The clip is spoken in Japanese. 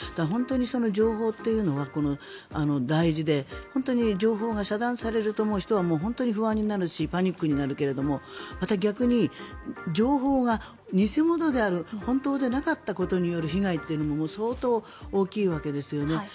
本当に情報というのは大事で本当に情報が遮断されると人は不安になるしパニックになるけども逆に情報が偽物である本当でなかったことによる被害というのも相当大きいわけですよね。